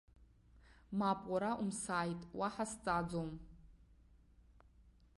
Мап, уара умсааит, уаҳа сҵааӡом!